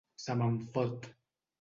Se me'n fot!